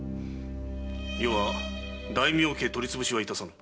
余は大名家の取り潰しは致さぬ。